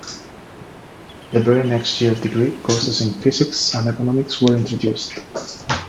The very next year degree courses in Physics and Economics were introduced.